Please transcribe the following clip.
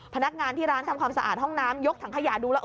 พนักงานที่ร้านทำความสะอาดห้องน้ำยกถังขยะดูแล้ว